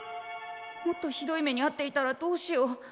もっとひどい目にあっていたらどうしよう。